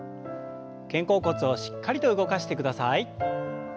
肩甲骨をしっかりと動かしてください。